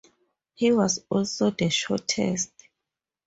He was also the shortest.